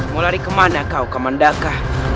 mau lari kemana kau kamandaka